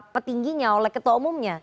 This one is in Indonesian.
petingginya oleh ketua umumnya